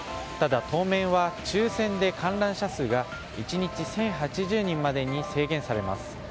ただ、当面は抽選で観覧者数が１日１０８０人までに制限されます。